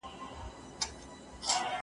تاسي په دې برخه کي کومه تجربه لرئ؟